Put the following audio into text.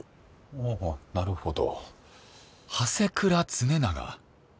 ああなるほど。